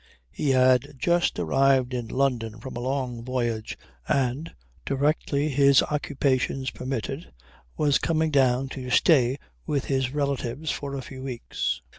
He had just arrived in London from a long voyage, and, directly his occupations permitted, was coming down to stay with his relatives for a few weeks.